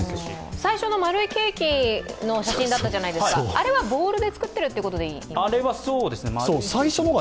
最初のは丸いケーキの写真だんだじゃないですか、あれはボウルで作ってるということでいいんですか？